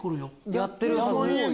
やってるはず。